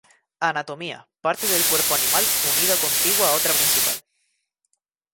Anatomía: Parte del cuerpo animal unida o contigua a otra principal.